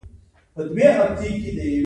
شل ورځې د ناروغۍ رخصتۍ شتون لري.